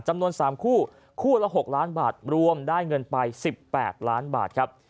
จำนวน๓คู่คู่ละ๖ล้านบาทรวมได้เงินไป๑๘ล้านบาทครับ